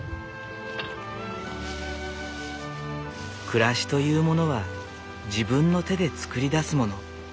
暮らしというものは自分の手で作り出すもの。